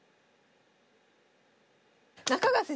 中川先生